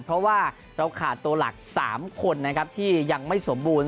เพราะว่าเราขาดตัวหลัก๓คนนะครับที่ยังไม่สมบูรณ